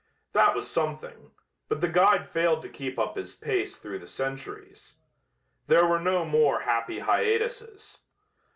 That was something, but the guide failed to keep up his pace through the centuries. There were no more happy hiatuses.